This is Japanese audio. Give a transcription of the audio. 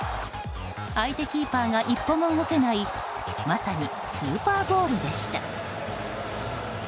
相手キーパーが一歩も動けないまさにスーパーゴールでした。